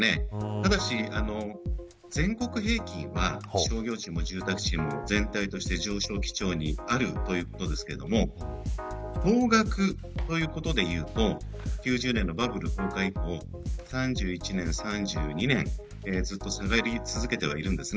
ただし、全国平均は商業地も住宅地も、全体として上昇基調にあるということですが方角ということで言うと９０年のバブル崩壊以降３１年、３２年ずっと下がり続けてはいます。